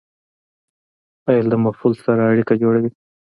فاعل د مفعول سره اړیکه جوړوي.